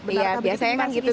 iya biasanya kan gitu